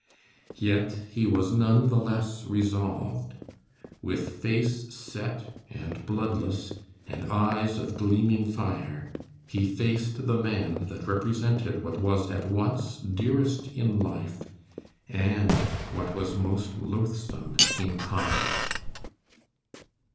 Yet he was none the less resolved. With face set and bloodless, and eyes of gleaming fire, he faced the man that represented what was at once dearest in life and what was most loathsome in conduct.